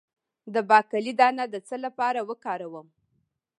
د باقلي دانه د څه لپاره وکاروم؟